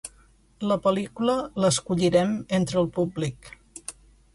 la pel·lícula l'escollirem entre el públic